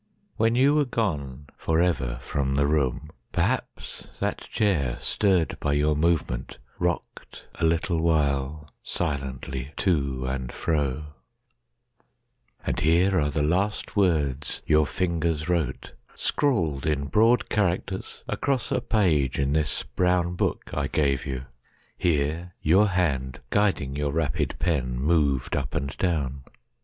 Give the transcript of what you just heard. When you were goneForever from the room, perhaps that chair, Stirred by your movement, rocked a little while, Silently, to and fro…And here are the last words your fingers wrote, Scrawled in broad characters across a pageIn this brown book I gave you. Here your hand, Guiding your rapid pen, moved up and down.